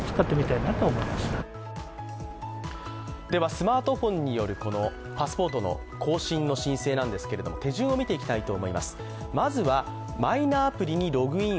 スマートフォンによるパスポートの更新なんですけれども手順を見ていきたいと思います。